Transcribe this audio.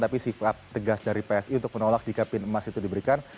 tapi sikap tegas dari psi untuk menolak jika pin emas itu diberikan